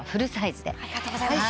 ありがとうございます。